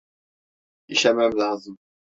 İşemem lazım.